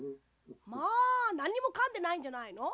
まあなんにもかんでないんじゃないの？